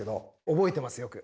覚えてますよく。